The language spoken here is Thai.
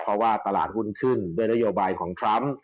เพราะว่าตลาดหุ้นขึ้นด้วยนโยบายของทรัมป์